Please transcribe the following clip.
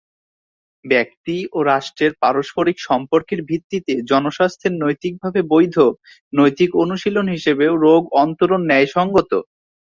ব্যক্তি ও রাষ্ট্রের পারস্পরিক সম্পর্কের ভিত্তিতে জনস্বাস্থ্যের নৈতিকভাবে বৈধ, নৈতিক অনুশীলন হিসেবেও রোগ-অন্তরণ ন্যায়সঙ্গত।